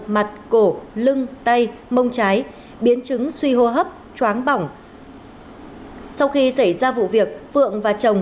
mặt cổ lưng tay mông trái biến chứng suy hô hấp chóng bỏng sau khi xảy ra vụ việc phượng và chồng